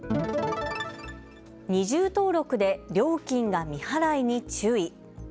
二重登録で料金が未払いに注意。